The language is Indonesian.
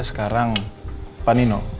sekarang pak nino